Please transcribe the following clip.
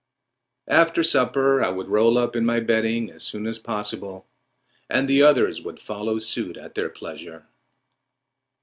After supper I would roll up in my bedding as soon as possible, and the others would follow suit at their pleasure.